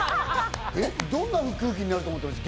どんな空気になると思ってました？